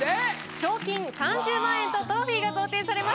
賞金３０万円とトロフィーが贈呈されます。